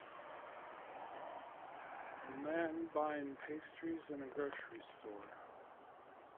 A man buying pastries in a grocery store.